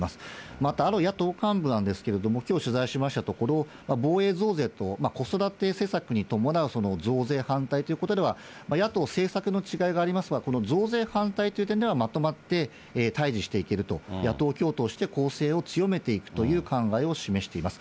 またある野党幹部なんですけれども、きょう、取材をしましたところ、防衛増税と子育て施策に伴う増税反対ということでは、野党政策の違いがありますが、この増税反対という点では、まとまって対じしていけると、野党共闘して攻勢を強めていくという考えを示しています。